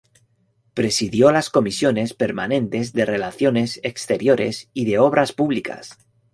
Presidió las comisiones permanentes de Relaciones Exteriores, y de Obras Públicas.